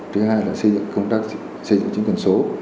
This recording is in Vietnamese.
thứ hai là xây dựng chính quyền số